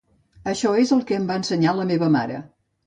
Això és el que em va ensenyar la meva mare.